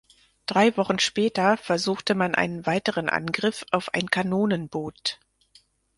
Drei Wochen später versuchte man einen weiteren Angriff auf ein Kanonenboot.